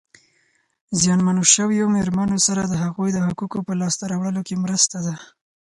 زیانمنو شویو مېرمنو سره د هغوی د حقوقو په لاسته راوړلو کې مرسته ده.